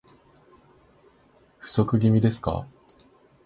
不足気味ですか